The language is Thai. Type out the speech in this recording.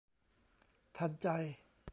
ทันใจ